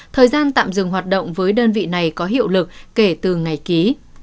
thời gian tạm dừng hoạt động với đơn vị này có hiệu lực kể từ ngày ký